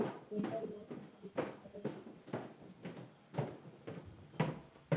এরপর রোডস বিশ্ববিদ্যালয়ে ভর্তি হন।